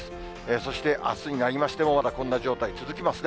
そしてあすになりましても、またこんな状態、続きますね。